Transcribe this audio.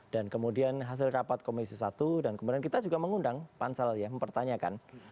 dan kemudian hasil rapat komisi satu dan kemudian kita juga mengundang pansal ya mempertanyakan